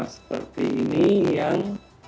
seperti ini yang